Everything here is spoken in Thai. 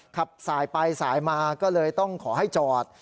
ขับสายไปสายมาก็เลยต้องขอให้จอด